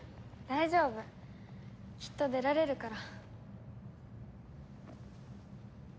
大丈夫きっと出られるから。